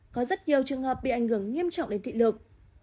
có rất nhiều trường hợp bị ảnh hưởng nghiêm trọng đến thị lực